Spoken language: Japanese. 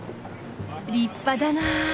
立派だな。